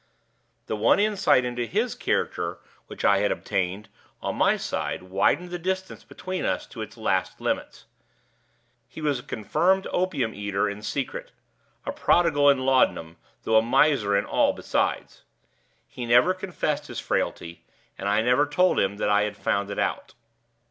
The one insight into his character which I obtained, on my side, widened the distance between us to its last limits. He was a confirmed opium eater in secret a prodigal in laudanum, though a miser in all besides. He never confessed his frailty, and I never told him I had found it out.